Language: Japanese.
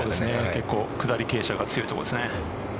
結構、下り傾斜が強いところですね。